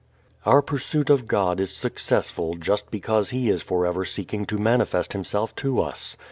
Our pursuit of God is successful just because He is forever seeking to manifest Himself to us.